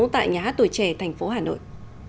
tại nhà hát tuổi trẻ thành phố hà nội